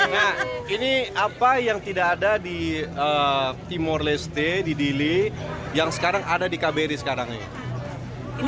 nah ini apa yang tidak ada di timor leste di dile yang sekarang ada di kbri sekarang ini